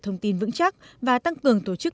thông tin vững chắc và tăng cường tổ chức